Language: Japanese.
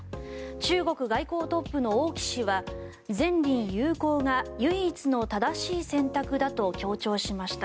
中国外交トップの王毅氏は善隣友好が唯一の正しい選択だと強調しました。